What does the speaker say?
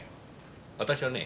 私はね